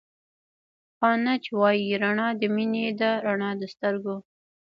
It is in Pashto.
خانج وائي رڼا َد مينې ده رڼا َد سترګو